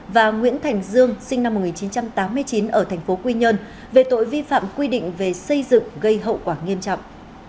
và nguyễn thành dương sinh năm một nghìn chín trăm tám mươi chín ở thành phố quy nhơn về tội vi phạm quy định về xây dựng gây hậu quả nghiêm trọng